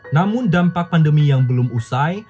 namun dampak pandemi yang belum usai